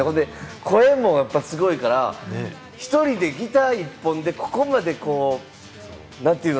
声もすごいから、１人でギター１本で、ここまで、なんて言うの？